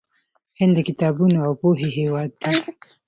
هند د کتابونو او پوهې هیواد دی.